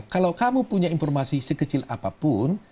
kalau kamu punya informasi sekecil apapun